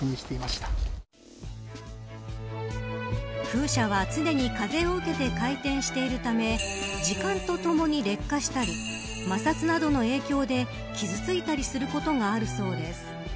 風車は常に風を受けて回転しているため時間とともに劣化したり摩擦などの影響で傷ついたりすることがあるそうです。